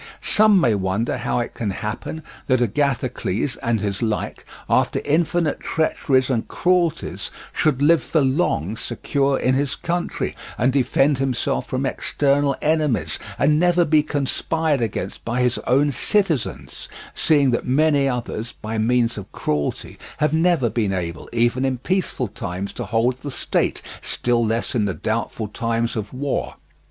Some may wonder how it can happen that Agathocles, and his like, after infinite treacheries and cruelties, should live for long secure in his country, and defend himself from external enemies, and never be conspired against by his own citizens; seeing that many others, by means of cruelty, have never been able even in peaceful times to hold the state, still less in the doubtful times of war.